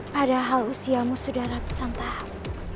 padahal usiamu sudah ratusan tahun